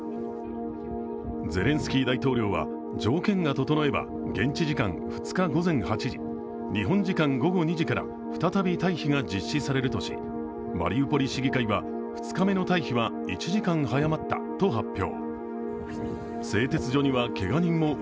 ゼレンスキー大統領は、条件が整えば現地時間２日午前８時、日本時間午後２時から再び退避が実施されるとし、マリウポリ市議会は、２日目の退避は１時間早まったと発表。